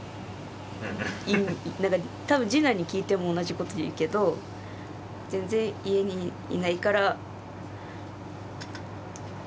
なんか多分次男に聞いても同じこと言うけど全然家にいないから。